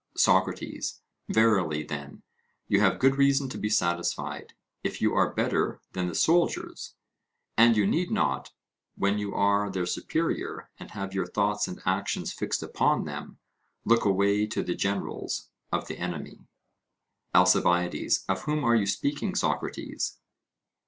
SOCRATES: Verily, then, you have good reason to be satisfied, if you are better than the soldiers; and you need not, when you are their superior and have your thoughts and actions fixed upon them, look away to the generals of the enemy. ALCIBIADES: Of whom are you speaking, Socrates?